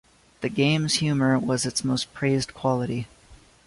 The game's humor was its most praised quality.